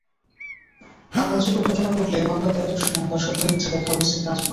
আমলযোগ্য ঘটনা ঘটলে মামলা দায়েরের সময় তার সত্য-মিথ্যা দেখা ওসির কাজ নয়।